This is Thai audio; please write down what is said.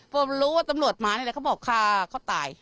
พอรู้ว่าตำรวจมานี่แหละเขาบอกฆ่าเขาตาย